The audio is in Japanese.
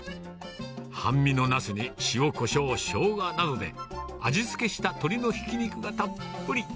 半身のなすに塩、こしょう、しょうがなどで味付けした鶏のひき肉がたっぷり。